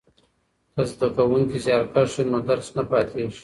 که زده کوونکی زیارکښ وي نو درس نه پاتیږي.